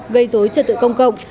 gây dối trật tự công cộng